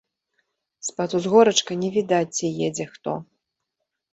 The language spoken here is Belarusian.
З-пад узгорачка не відаць, ці едзе хто.